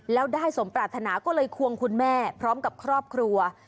แล้วได้สมปรารถนาก็เลยควงคุณแม่พร้อมกับครอบครัว